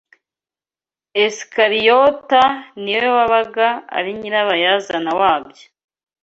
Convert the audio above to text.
esikariyota ni we wabaga ari nyirabayazana wabyo.